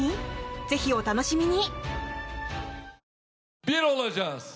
ぜひお楽しみに！